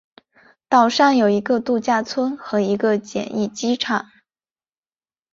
岛上有一个度假村和一个简易机场。